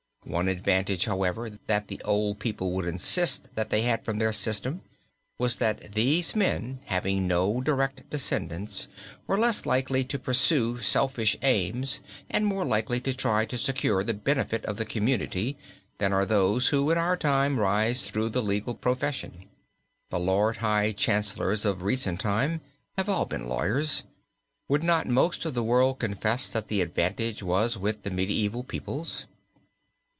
One advantage, however, that the old people would insist that they had from their system was that these men, having no direct descendants, were less likely to pursue selfish aims and more likely to try to secure the benefit of the Community than are those who, in our time, rise through the legal profession. The Lord High Chancellors of recent time have all been lawyers. Would not most of the world confess that the advantage was with the medieval peoples?